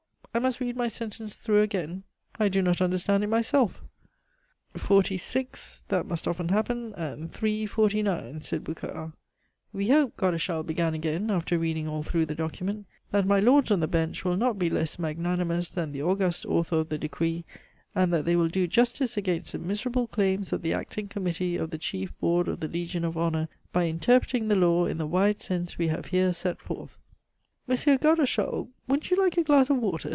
I must read my sentence through again. I do not understand it myself." "Forty six (that must often happen) and three forty nines," said Boucard. "We hope," Godeschal began again, after reading all through the document, "_that my lords on the Bench will not be less magnanimous than the august author of the decree, and that they will do justice against the miserable claims of the acting committee of the chief Board of the Legion of Honor by interpreting the law in the wide sense we have here set forth_ " "Monsieur Godeschal, wouldn't you like a glass of water?"